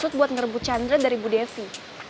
saya mau ngebut bu chandra dari bu devi